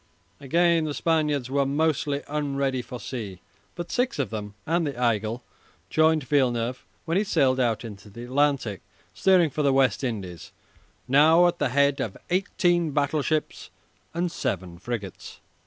Again the Spaniards were mostly unready for sea, but six of them and the "Aigle" joined Villeneuve when he sailed out into the Atlantic steering for the West Indies, now at the head of eighteen battleships and seven frigates.